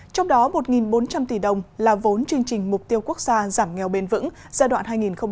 trong đó một bốn trăm linh tỷ đồng là vốn chương trình mục tiêu quốc gia giảm nghèo bền vững giai đoạn hai nghìn một mươi sáu hai nghìn hai mươi